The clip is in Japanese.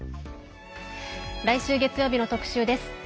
来週月曜日の特集です。